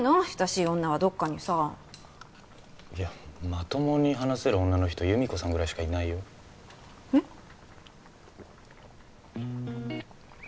親しい女はどっかにさいやまともに話せる女の人弓子さんぐらいしかいないよえっ？